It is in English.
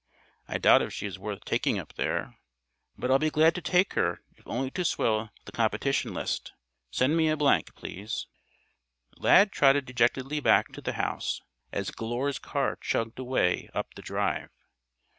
I doubt if she is worth taking up there, but I'll be glad to take her if only to swell the competition list. Send me a blank, please." Lad trotted dejectedly back to the house as Glure's car chugged away up the drive.